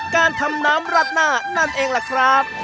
การทำน้ำรัดหน้านั่นเองล่ะครับ